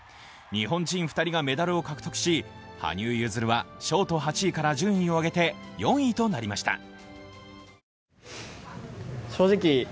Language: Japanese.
日本人２人がメダルを獲得し、羽生結弦はショート８位から順位を上げて４位となりました。